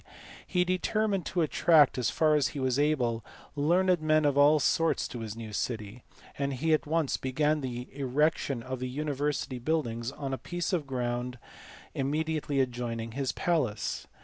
he determined to attract, as far as he was able, learned men of all sorts to his new city; and he at once began the erection of the university buildings on a piece of ground immediately adjoining his palace.